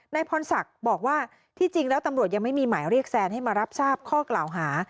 พรศักดิ์บอกว่าที่จริงแล้วตำรวจยังไม่มีหมายเรียกแซนให้มารับทราบข้อกล่าวหา